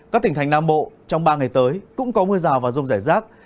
các tỉnh thành nam bộ trong ba ngày tới cũng có mưa rào và rông rải rác